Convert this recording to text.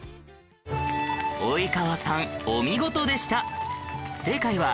及川さんお見事でした